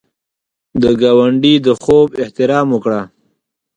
د ګاونډي د خوب احترام وکړه